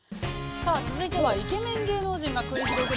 ◆さあ、続いてはイケメン芸能人が繰り広げる